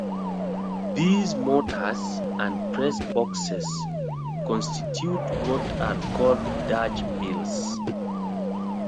These mortars and press boxes constitute what are called Dutch mills.